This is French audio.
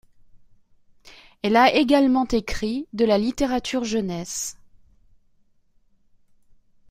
Elle a également écrit de la littérature jeunesse.